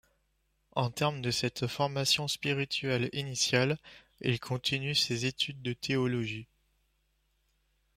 Au terme de cette formation spirituelle initiale, il continue ses études de théologie.